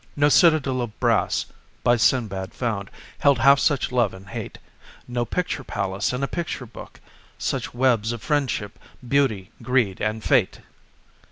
No Citadel of Brass By Sinbad found, held half such love and hate; No picture palace in a picture book Such webs of Friendship, Beauty, Greed and Fate!"